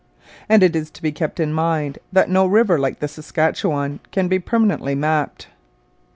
And it is to be kept in mind that no river like the Saskatchewan can be permanently mapped.